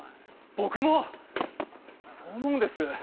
僕もそう思うんです。